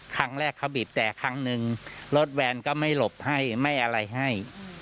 ครั้งแรกเขาบีบแต่ครั้งหนึ่งรถแวนก็ไม่หลบให้ไม่อะไรให้